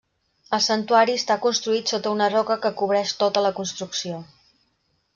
El santuari està construït sota una roca que cobreix tota la construcció.